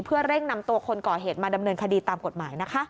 เพื่อเร่งนำตัวคนก่อเหตุมาดำเนินคดีตามกฎหมายนะคะ